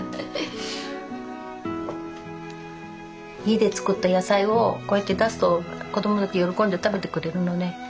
家で作った野菜をこうやって出すと子どもたち喜んで食べてくれるのね。